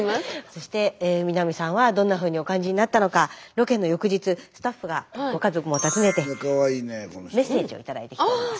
そして美波さんはどんなふうにお感じになったのかロケの翌日スタッフがご家族を訪ねてメッセージを頂いてきています。